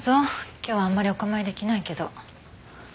今日はあんまりお構いできないけど。